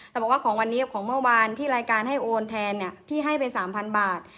บอกว่าของวันนี้ของเมื่อวานที่รายการให้โอนแทนเนี่ยพี่ให้ไป๓๐๐บาท